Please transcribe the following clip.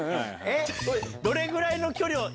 どれぐらいの距離を？